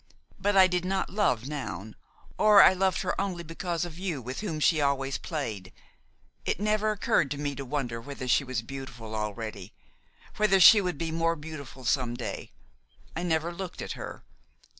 But I did not love Noun, or I loved her only because of you, with whom she always played. It never occurred to me to wonder whether she was beautiful already; whether she would be more beautiful some day. I never looked at her.